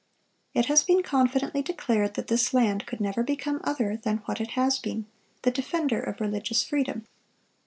It has been confidently declared that this land could never become other than what it has been,—the defender of religious freedom.